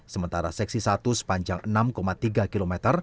sementara seksi satu sepanjang enam tiga km